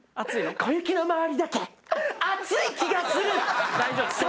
小雪の周りだけ暑い気がする！